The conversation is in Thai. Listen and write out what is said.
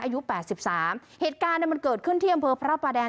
อายุแปดสิบสามเหตุการณ์เนี่ยมันเกิดขึ้นที่อำเภอพระประแดง